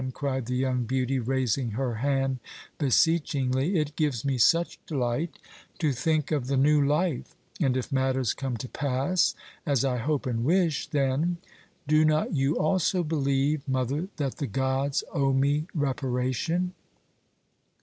cried the young beauty, raising her hand beseechingly. "It gives me such delight to think of the new life, and if matters come to pass as I hope and wish then do not you also believe, mother, that the gods owe me reparation?"